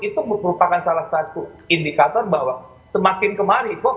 itu merupakan salah satu indikator bahwa semakin kemari kok